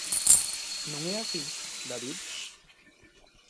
Non é así, David?